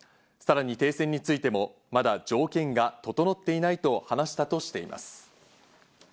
さらに停戦についてもまだ条件が整っていないと話したとしています。